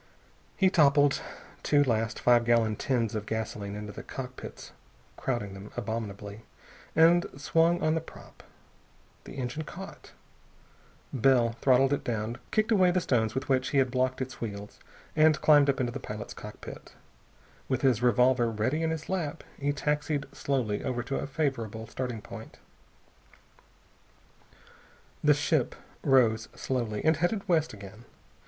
He toppled two last five gallon tins of gasoline into the cockpits crowding them abominably and swung on the prop. The engine caught. Bell throttled it down, kicked away the stones with which he had blocked its wheels, and climbed up into the pilot's cockpit. With his revolver ready in his lap he taxied slowly over to a favorable starting point. The ship rose slowly, and headed west again.